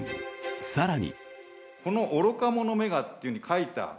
更に。